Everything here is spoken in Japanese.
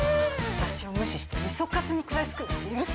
私を無視して味噌カツに食らいつくなんて許せない。